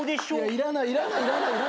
いらないいらない。